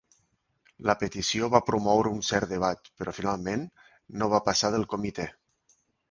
La petició va promoure un cert debat, però finalment no va passar del comitè.